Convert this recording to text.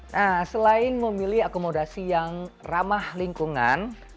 nah selain memilih akomodasi yang ramah lingkungan